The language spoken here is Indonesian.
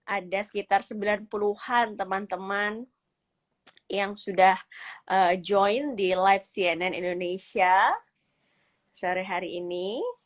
ada sekitar sembilan puluh an teman teman yang sudah join di live cnn indonesia sore hari ini